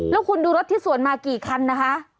แล้วคุณดูรถที่สวนมากี่คันนะคะ